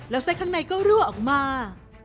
แล้วไส้ข้างในก็รั่วออกมา